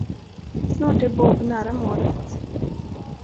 Snart är Bob nära målet.